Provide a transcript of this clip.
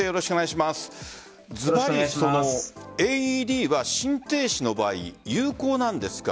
ずばりＡＥＤは心停止の場合有効なんですか？